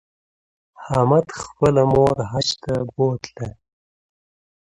احمد خپله مور حج ته بوتله